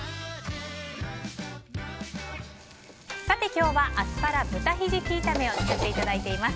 今日はアスパラ豚ヒジキ炒めを作っていただいています。